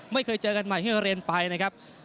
ไม่เคยเจอกันใหม่ที่เราเรียนไปนะครับ